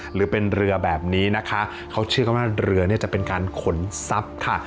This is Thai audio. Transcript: หรือเป็นเรือแบบนี้นะคะเขาเชื่อกันว่าเรือเนี่ยจะเป็นการขนทรัพย์ค่ะ